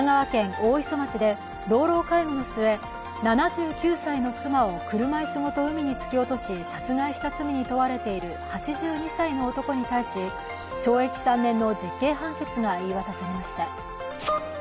大磯町で老老介護の末、７９歳の妻を車いすごと海に突き落とし殺害した罪に問われている８２歳の男に対し懲役３年の実刑判決が言い渡されました。